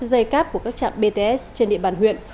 dây cáp của các trạm bts trên địa bàn huyện